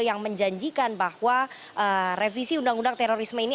yang menjanjikan bahwa revisi undang undang terorisme ini